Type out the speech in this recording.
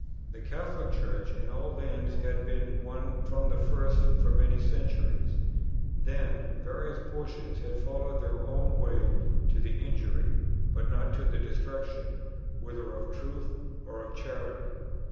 The Catholic Church in all lands had been one from the first for many centuries; then, various portions had followed their own way to the injury, but not to the destruction, whether of truth or of charity.